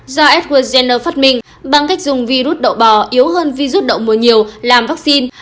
do edward jenner phát minh bằng cách dùng virus đậu bò yếu hơn virus đậu mùa nhiều làm vaccine